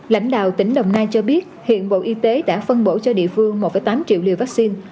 lãnh đạo tỉnh đồng nai cho biết hiện bộ y tế đã phân bổ cho địa phương một tám triệu liều vaccine